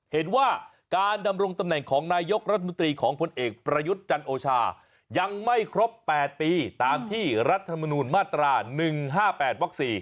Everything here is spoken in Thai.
เห็นว่าการดำรงตำแหน่งของนายกรัฐมนตรีของผลเอกประยุทธ์จันโอชายังไม่ครบ๘ปีตามที่รัฐมนูลมาตรา๑๕๘วัก๔